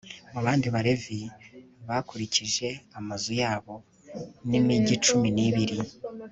mu bandi balevi, bakurikije amazu yabo, ni imigi cumi n'ibiri